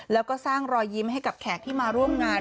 แล้วก็สร้างรอยยิ้มให้กับแขกที่มาร่วมงาน